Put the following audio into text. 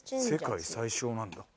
世界最小なんだ。